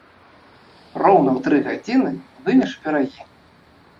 Роўна ў тры гадзіны вымеш пірагі.